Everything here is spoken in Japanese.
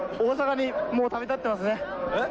えっ？